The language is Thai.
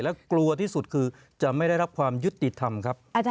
และกลัวที่สุดคือจะไม่ได้รับความยุติธรรมครับ